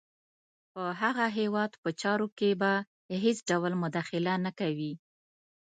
په هغه هیواد په چارو کې به هېڅ ډول مداخله نه کوي.